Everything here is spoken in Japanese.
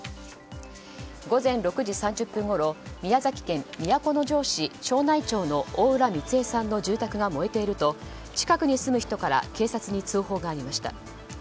午前６時３０分ごろ宮崎県都城市の大浦美津江さんの住宅が燃えていると近くに住む人から警察に通報がありました。